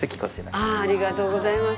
ありがとうございます。